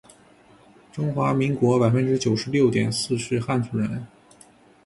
中华民国百分之九十六点四是汉族人